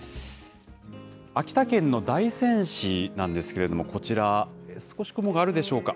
秋田県の大仙市なんですけれども、こちら、少し雲があるでしょうか。